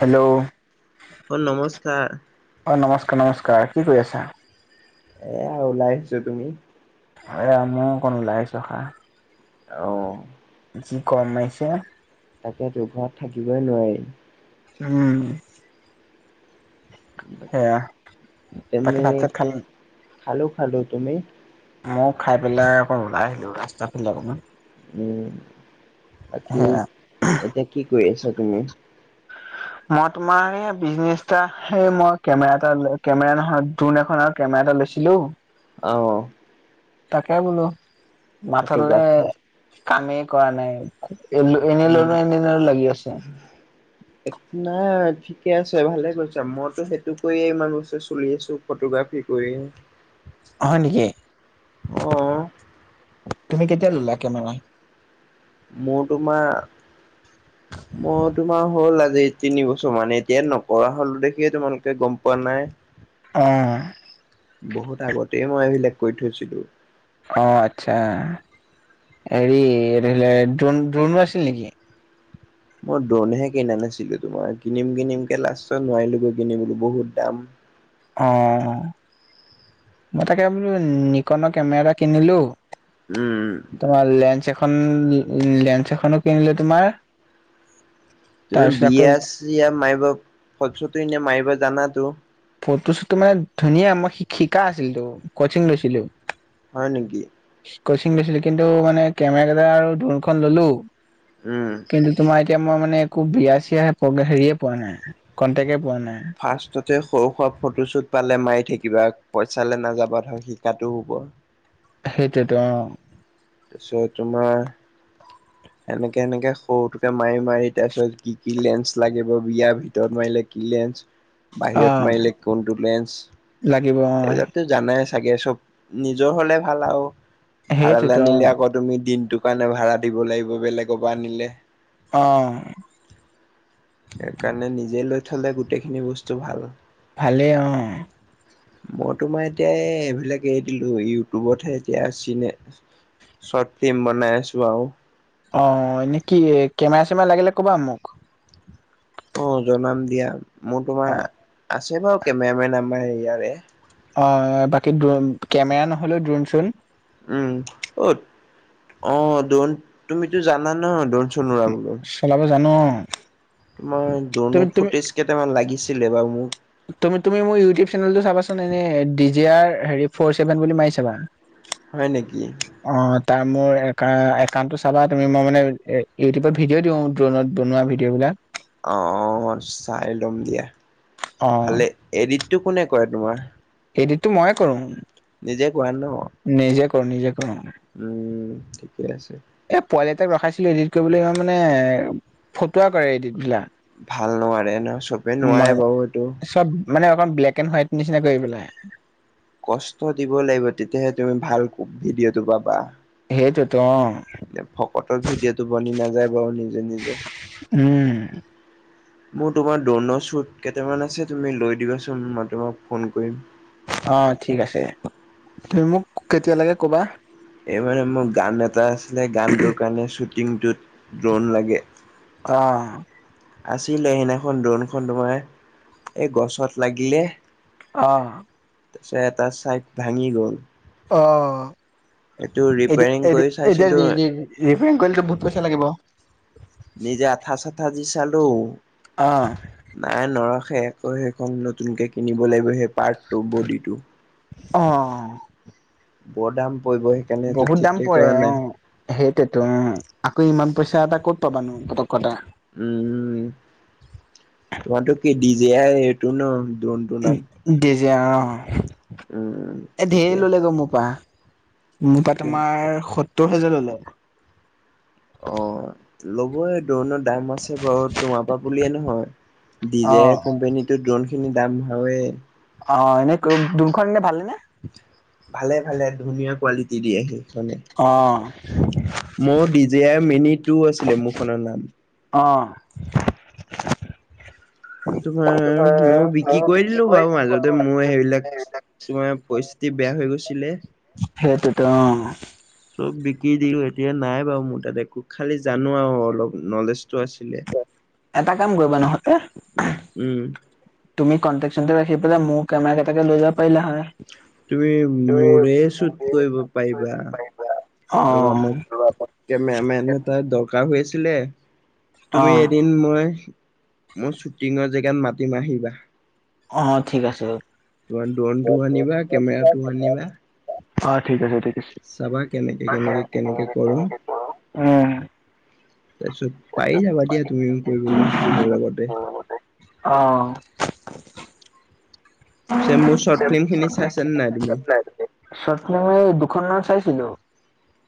Hello অ নমস্কাৰ অ নমস্কাৰ নমস্কাৰ কি কৰি আছা এয়া ওলাই আহিছো তুমি এয়া মইও অকন ওলাই আহিছো অ যি গৰম আহিছে তাকেইতো ঘৰত থাকিবই নোৱাৰি উম সেয়া তাকে ভাত চাত খালে খালোঁ খালোঁ তুমি ময়ো খাই পেলাই অকণ ওলাই আহিলোঁ ৰাস্তা ফালে অকণমান উম বাকী সেয়া এতিয়া কি কৰি আছা তুমি মই তোমাৰ বিজনেচটা সেই মই কেমেৰা এটা কেমেৰা নহয় ড্ৰোন এখন আৰু কেমেৰা এটা লৈছিলো অ তাকে বোলো মাথাদালে ফটোগ্ৰাফাৰ কামেই কৰা নাই এ এনেই উম ললো এনেই লৈ ললো লাগি আছে একো নাই ঠিকে আছে ভালে কৈছা মইতো সেইটো কৰিয়ে ইমান বছৰ চলি আছো ফটোগ্ৰাফী কৰিয়ে হয় নেকি অ তুমি কেতিয়া ললা কেমেৰা? মোৰ তোমাৰ মোৰ তোমাৰ হ'ল আজি তিন বছৰ মান এতিয়া নকৰা হলো দেখিয়ে তোমালোকে গম পোৱা নাই অ বহুত আগতেই মই এইবিলাক কৰি থৈছিলো। অ আচ্ছা হেৰি ধৰিলেত দ্ৰোন দ্ৰোনো ওৰাছিল নেকি? মই ড্ৰোনহে কিনা নাছিলো তোমাৰ কিনিম কিনিম কে লাষ্টত নোৱাৰিলোগৈ কিনিবলৈ বহুত দাম। অ মই তাকে বোলো নিকনৰ কেমেৰা এটা কিনিলো। উ উম। তোমাৰ লেন্স এখন লেন্স এখনো কিনিলোঁ তোমাৰ তুমি তাৰপিছত আকৌ বিয়া চিয়া মাৰিবা ফটো চটো এনে মাৰিবা জানাতো। ফটো শ্বুটো মানে ধুনীয়া মই শিকা আছিলো তো কচিং লৈছিলো। হয় নেকি? কচিং গৈছিলো কিন্তু মানে কেমেৰা কেইটা আৰু দোনখন ললোঁ। উম। কিন্তু তোমাৰ এতিয়া মই মানে একো বিয়া চিয়া হেৰিয়ে পোৱা নাই, কনটেকে পোৱা নাই। ফাৰ্ষ্টতে সৰু সুৰা ফটোশ্বুট পালে মাৰি থাকিবা পইচালৈ নাযাবা ধৰ শিকাতো হ'ব। সেইটোৱেত অ। তাছত তোমাৰ সেনেকে সেনেকে সৰুটোকে মাৰি মাৰি তাৰপিছত কি কি লেন্স লাগিব বিয়াৰ ভিতৰত মাৰিলে কি লেন্স অ বাহিৰত মাৰিলে কোনটো লাগিব অ লেঞ্চ এইবিলাকত জানে চাগে চব নিজৰ হলে ভাল আৰু ভাড়ালৈ সেইটোতো অ আনিলে আগত তুমি দিনটোৰ কাৰণে ভাড়া দিব লাগিব বেলেগৰ পৰা আনিলে। অ। সেকাৰণে নিজে লৈ থলে গোটেইখিনি বস্তু ভাল। ভালে অ। [inaudible] মই তোমাৰ এতিয়া এই এইবিলাক এৰি দিলো ইউটিউবতহে এতিয়া চিনে চৰ্ট ফিল্ম বনাই আছো আও। অ এনে কি কেমেৰা চেমেৰা লাগিলে ক'বা মোক। অ জনাম দিয়া মোৰ তোমাৰ অ', আছে বাৰু কেমেৰামেন আমাৰ ইয়াৰে। অ বাকী ড্ৰোন কেমেৰা নহ'লেও ড্ৰোন চ্ৰোণ উম অত অ ড্ৰোন তুমিতো জানা ন ড্ৰোন চলাব জান অ তোমাৰ ড্ৰোন ফুটেজ কেইটামান লাগিছিলে বাও মোক। তুমি তুমি মোৰ ইউটিউব চেনেলতটো চাবাচোন এনে ডিজে আৰ হেৰি ফৰ চছেভেন বুলি মাৰি চাবা। হয় নেকি? অ তাৰ মোৰ একাউণ্টটো চাবা তুমি মই মানে ইউটিউবত ভিডিঅ' দিওঁ। ট্টনত বনোৱা ভিডিঅ' বিলাক। অ চাই লম দিয়া অ', ভালে। এডিটটো কোনে কৰে তোমাৰ? এডিডটো মইয়ে কৰো। নিজে কোৱা ন? নিজে কৰো নিজে কৰো। উম ঠিকেই আছে। এ পোৱালি এটাক ৰখাইছিলো এডিট কৰিবলৈ ইয়ন মানে ফটোৱা কৰে এডিট বিলাক। ভাল নোৱাৰে ন চবে মই নোৱাৰে বাও এইটো। চব মানে অকণ ব্লেক এণ্ড হোৱাইট নিচিনা কৰি পেলাই। কষ্ট দিব লাগিব তেতিয়াহে তুমি ভাল ভিডিঅ'টো পাবা। সেইটোৱেটো অ। এ ফকতৰ ভিডিঅ'টো বনি নাযায় ব নিজে নিজে। উম। মোৰ তোমাৰ ড্ৰোণৰ চোত কেইটামান আছে তুমি লৈ দিবাচোন মই তোমাক ফোন কৰিম। অ ঠিক আছে। তুমি মোক কেতিয়া লাগে ক'বা? এইমানে মোক গান এটা আছিলে গানটোৰ কাৰণে শ্বুটিংটোত ড্ৰোণ লাগে। অ আছিলে, সেইদিনাখন ড্ৰনখন তোমাৰ এই গছত লাগিলে। অ তাৰ পিছত এটা চাইড ভাঙি গ'ল। অ। সেইটো এতিয়া, ৰিপেয়াৰিং এতিয়া, কৰি এতিয়া চাইছিলো ৰিপেয়াৰ কৰিলেটো বহুত পইচা লাগিব। নিজে আঠা-চাঠা দি চালোঁ। অ' নাই নৰখে, আকৌ সেইখন নতুনকে কিনিব লাগিব। সেই পাৰ্টটো, বডিটো। অ বৰ দাম পৰিব এই। বহুত দাম পৰে অ। সেইটোৱেতো অ' আকৌ ইমান পইচা এটা ক'ত পাবানো পতককে। উম' তোমাৰটো কি ডিজেয়াৰ এইটো ন ডন ডিজেয়াৰ অ, উম এ ঠিকে ধেৰ ল'লে গে আছে মোৰ পৰা। মোৰ পৰা তোমাৰ সত্তৰ হাজাৰ ল'লে। অ, লবই ড্ৰণৰ দাম আছে বাৰু, তোমাৰ পৰা বুলিয়ে নহয়। অ ডিজেয়াৰ কোম্পানীতো ড্ৰণ খিনি দাম ভাৱেই। অ, এনে ড্ৰণখন এনে ভাল নে। ভালে-ভালে ধুনীয়া কোৱালিটি দি আহি মানে। অ। মোৰ ডিজেয়াৰ মিনি টু আছিলে মোৰখনৰ নাম। অ। তোমাৰ মইয়ো বিক্ৰী কৰি দিলোঁ বাৰু মাজতে মই সেইবিলাক তোমাৰ পৰিস্থিতি বেয়া হৈ গৈছিলে। সেইটোতো অ। চব বিকি দিলোঁ। এতিয়া নাই বাৰু মোৰ তাত একো খালি জানো আৰু অলপ নলেজ। এটা কাম কৰিবা নহ'লে উম তুমি কনটেক্-চনটেক্ ৰাখি পেলাই, মোৰ কেমেৰা কেইটাকে লৈ যাব পাৰিলা হয়। তুমি মোৰে চুট কৰিব পাৰিবা। অ। ৰবা মই কেমেৰামেন এটা দৰকাৰ হৈ আছিলে। তুমি অ', এদিন মই মোৰ শ্বুটিঙৰ জেগাত মাতিম আহিবা। অ, ঠিক আছে। তোমাৰ ড্ৰোনটো আনিবা, কেমেৰাটো আনিবা। অ', ঠিক আছে ঠিক আছে চাবা কেনেকে, কেনেকে, কেনেকে কৰোঁ। উম, তাৰপিছত পাৰি যাবা দিয়া তুমিও কৰিবলৈ মোৰ লগতে। অ। পিছে মোৰ শৰ্ট ফিল্ম খিনি চাইছানে নাই তুমি? শৰ্ট ফিল্ম দুখন নাম চাইছিলোঁ।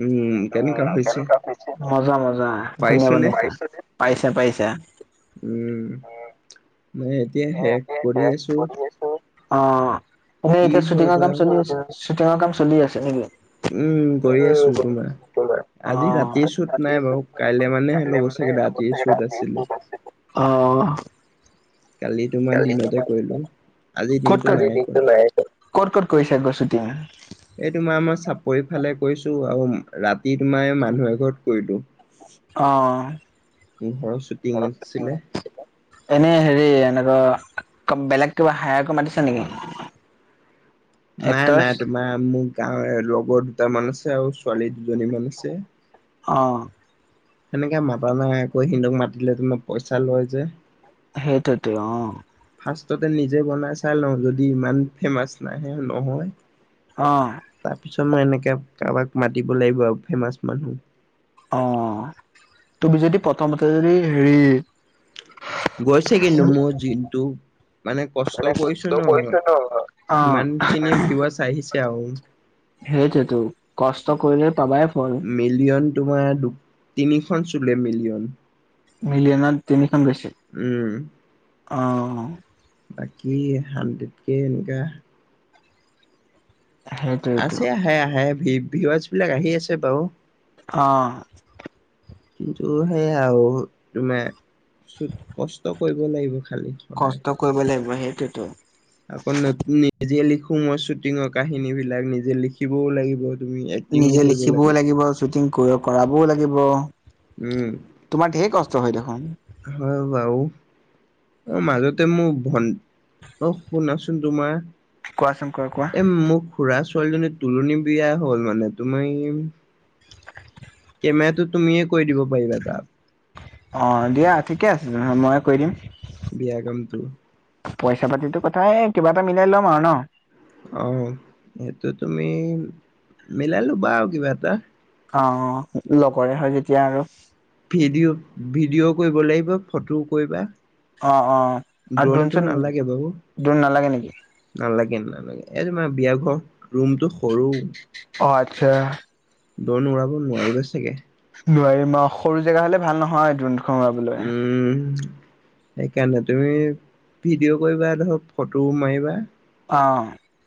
উম। কেনেকুৱা হৈছে উম' মজা-মজা ধুনীয়া পাৰিছনে? বনাইছে, পাৰিছে পাৰিছে। উম' মইয়ো এতিয়া সেই কৰি আছোঁ। অ, এনেই এতিয়া হয় শ্বুটিঙৰ গৈ কাম আৰু চলি আছে, শ্বুটিঙৰ কাম চলি আছে নেকি? উম' কৰি আছো তোমাৰ। আজি অ'। ৰাতি শ্বুট নাই বাৰু, কাইলে মানেহে ল'ব চাগে ৰাতি শ্বুট আছিলে। অ। কালি তোমাৰ ক'ত, দিনতে কৰিলো। আজিৰ ক'ত, দিনটো নাই কৰা। ক'ত, ক'ত কৰিছে গৈ শ্বুটিং? [unintelligible] এই তোমাৰ মই চাপৰি ফালে কৰিছোঁ আৰু ৰাতি তোমাৰ মানুহ এঘৰত কৰিলোঁ। অ'হ এনে ঘৰৰ শ্বুটিং হেৰি আছিলে। এনেকুৱা বেলেগ কিবা হায়াৰকো মাতিছো নেকি? [unintelligible] নাই এক্টৰছ নাই তোমাৰ মোৰ গাঁৱৰ লগৰ দুটামান আছে আৰু ছোৱালী দুজনী মান আছে। অ। সেনেকৈ মাতা নাই আকৌ সিহতক মাতিলে তোমাৰ পইচা লয় যে। সেইটোৱেটো অ। ফাৰ্ষ্টতে নিজে বনাই চাই লওঁ যদি ইমান ফেমাচ নাহে নহয় অ। তাৰ পিছত মই এনেকে কাৰোবাক মাতিব লাগিব আৰু ফেমাচ মানুহ। অ, তুমি যদি প্ৰথমতে যদি হেৰি গৈছে কিন্তু মোৰ যিটো মানে কষ্ট কৰিছো ন অ', সিমানখিনি ভিউছ আহিছে আৰু। সেইটেতো কষ্ট কৰিলে পাবাই ফল। মিলিয়ন তোমাৰ দু তিনিখন চুলে মিলিয়ন। মিলিয়নত তিনিখন বেছি। উম। অঁ। বাকী হাড্ৰেড কে এনেকা সেইটোৱেতো আছে আহে আহে ভ ভিছ বিলাক আহি আছে বাৰু। অ কিন্তু সেইয়াও তোমা চ কষ্ট কৰিব লাগিব খালি। সদায় কষ্ট কৰিব লাগিব সেইটোতো। আকৌ নিজে লিখো মই শ্বুটিঙৰ কাহিনী বিলাক নিজে লিখিবও লাগিব। তুমি এক্টিঙো নিজে কৰিব লিখিবও লাগে লাগিব শ্বুটিং কৰাবও লাগিব। উম। তোমাৰ ধেই কষ্ট হয় দেখোন। হয় বাওঁ। অ, মাজতে মোৰ ভন অ শুনাচোন তোমাৰ কোৱাচোন কোৱা কোৱা এ, মোৰ খুৰা ছোৱালীজনীৰ তুলনী বিয়া হ'ল মানে তোমি মানে তুমিয়ে কৈ দিব পাৰিবা তাত। অ দিয়া ঠিকে আছে মই কৈ দিম। বিয়া কামটো। পইচা পাতিটো কথা এ কিবা এটা মিলাই ল'ম আৰু ন। অ সেইটো তুমি মিলাই ল'বা আৰু কিবা এটা। অ লগৰে হয় যেতিয়া আৰু। ভিডিঅ' ভিডিঅ' কৰিব লাগিব ফটোও কৰিবা অ অ আৰু ড্ৰোনটো দ্ৰোনচোন নালাগে বাৰু দ্ৰোন নালাগে নেকি? নালাগে নালাগে এই তোমাৰ বিয়া ঘৰত ৰুমটো সৰু। অ আচ্ছা। দৌন উৰাব নোৱাৰিব চাগে! নোৱাৰি অহ সৰু জেগা হ'লে ভাল নহয় দৌনটো। উম। সেইকাৰণে তুমি ভিডিঅ' কৰিবা ধৰক ফটোও মাৰিবা। অ।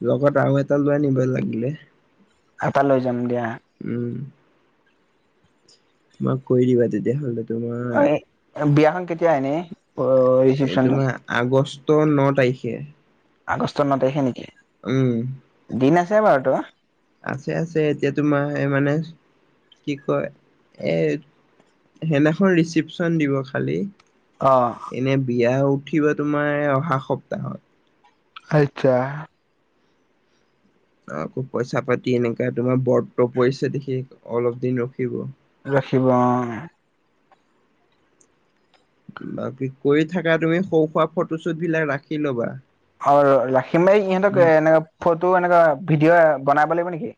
লগত আৰু এটা লৈ আনিবা লাগিলে। এটা লৈ যাম দিয়া। উম। মাক কৈ দিবা তেতিয়াহ'লে। তোমাৰ অ এ বিয়াখন কেতিয়া এনে? এই তোমাৰ আগষ্ট ন তাৰিখে আগষ্টৰ ন তাৰিখে নেকি উম দিন আছে বাৰু তো আছে আছে এতিয়া তোমাৰ মানে কি কয় এ সেইদিনাখন ৰিচিপশ্যন দিব খালী অ এনে বিয়া উঠিব তোমাৰ অহা সপ্তাহত আচ্ছা আকৌ পইচা পাতি এনেকা তোমাৰ বৰ্ত পৰিছে দেখি অলপ দিন ৰখিব ৰাখিব অ বাকী কৰি থাকা তুমি সৰু সুৰা ফটোশ্বুট বিলাক ৰাখি লবা অ ৰাখিমেই ইহঁতক উম, এনো ফটো এনেকুৱা ভিডিঅ' বনাব লাগিব নেকি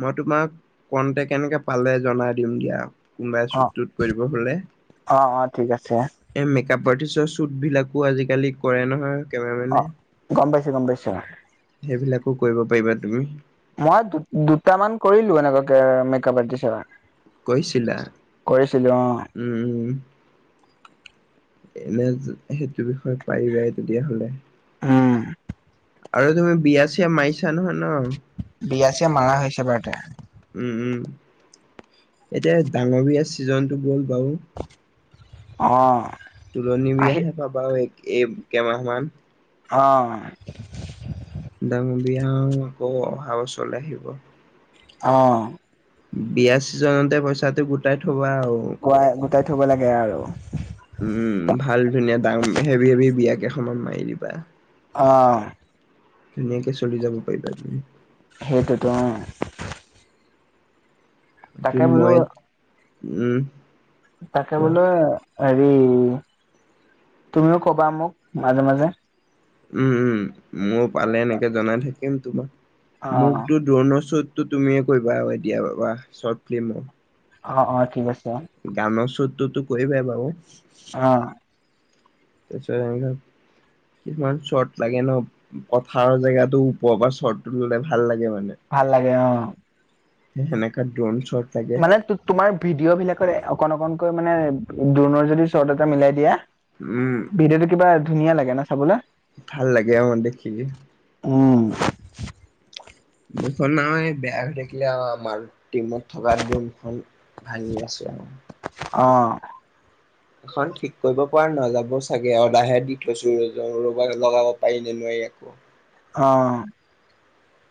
মই তোমাক কণ্টেক্ট এনেকে পালে জনাই দিম দিয়া কোনবাই চুট অ', তুত কৰিব হলে অ', অ', ঠিক আছে এই মেকআপ আৰ্টিষ্টৰ শ্বুটবিলাকো আজিকালি কৰে নহয় কেমেৰামেনে অ'। গম পাইছো গম পাইছো সেইবিলাকো কৰিব পাৰিবা তুমি মই দুটামান কৰিলো এনেকুৱাকে মেকপআৰ্টিষ্টৰ কৈছিলা অ', উম উম এনে সেইটো বিষয়ে পাৰিবাই তেতিয়াহ'লে। উম' আৰু তুমি বিয়া চিয়া মাৰিছা নহয় ন? বিয়া চিয়া মাৰা হৈছে বাৰু তে উম উম এতিয়া ডাঙৰী বিয়া ছিজনটো গ'ল বাও অ তুলনি বিয়া আহি হে পাবা এই কে মাহ মান অ ডাঙৰ বিয়া আকৌ অহা বছৰলে আহিব অ বিয়া চিজনতে পইচাটো গোটাই থবা আও গুৱাই গোটাই থব লাগে আৰু। উম' ভাল ধুনীয়া ডাম হেভি, হেভি বিয়া কেইখন মান মাৰি দিবা। অহ' ধুনীয়াকে চলি যাব পাৰিবা তুমি। সেইটো টো অহ' বাকী তাকে বোলো মই, উম' তাকে কোৱা বোলে হেৰি তুমিও কবা মোক মাজে মাজে। উম' উম' মোৰ পালে এনেকে জনাই থাকিম তোমাক, অ', মোকতো ড্ৰোণৰ চোত টোত তুমিয়ে কৰিবা এতিয়া বাবা শৰ্ট ফিল্মৰ। অ' অ' ঠিক আছে অহ'। গানৰ শ্বুতটোতো কৰিবাই বাও, অ' তাৰপিছত এনেকুৱা কিছুমান শ্বট লাগে ন, পথাৰৰ জেগাটো ওপৰ বা শ্বটটো ল'লে ভাল লাগে মানে। ভাল লাগে অ'। সেনেকা ড্ৰন চত। মানে তো তোমাৰ ভিডিঅ' বিলাকত অকন অকনকৈ মানে ড্ৰণৰ যদি শ্বৰ্ট এটা মিলাই দিয়া। উম। ভিডিঅ'টো কিবা ধুনীয়া লাগে না চাবলে। ভাল লাগে অহ দেখি। উম। মুখন আৰু এই বেয়া থাকিলে, আৰু আমাৰ টিমত থকা ড্ৰনখন। ভাঙি আছে আৰু। অ। এখন ঠিক কৰিব পৰা নাযাব চাগে, অৰ্ডাৰ হে দি থৈছো ৰ ৰ'বা লগাব পাৰি নে নোৱাৰি [unintelligible] অ।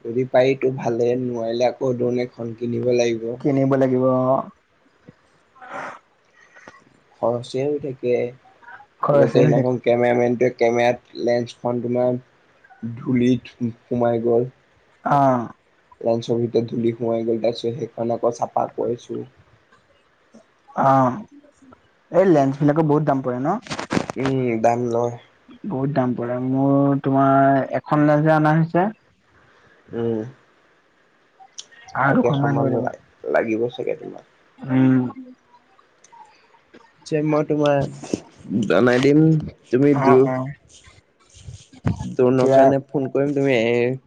যদি পাৰি ত' ভালে, নোৱাৰিলে আকৌ ড্ৰন এখন কিনিব লাগিব। কিনিব লাগিব অহ। খৰচেই হৈ থাকে, আগতে খৰচে হৈ থাকে সেইদিনাখন কেমেৰা মেনটোৱে কেমেৰাত লেন্সখন তোমাৰ ধূলিত সোমাই গ'ল। অহ। লেন্সৰ ভিতৰত ধূলি সোমাই গ'ল, তাৰপিছত সেইকাৰনে আকৌ চাফা কৰিছো। অ' এই লেন্স বিলাকৰ বহুত দাম পৰে ন। উম দাম লয়। বহুত দাম পৰে মোৰ তোমাৰ এখন লেন্সহে অনা হৈছে। উম। আৰু কেই শ দুখনমান লৈ মান ল'বা লা-লাগিব চাগে তোমাক? উম। মই তোমাৰ জনাই দিম। তুমি দু, অ', অ', ড্ৰনৰ এতিয়া কাৰণে ফোন কৰিম তুমি এ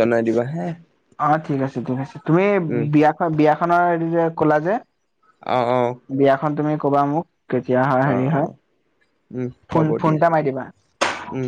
জনাই দিবা হা। অ ঠিক আছে ঠিক আছে, তুমি উম বিয়াখন বিয়াখনৰ হেতো যে কলা যে, অ' অ' বিয়াখন তুমি কবা মোক কেতিয়া হয় অ অ হেৰি হয়, উম ফোন হ'ব ফোন দিয়া এটা মাৰি দিবা। উম